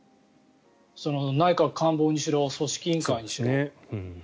内閣官房にしろ組織委員会にしろ。